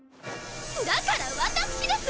だから私です！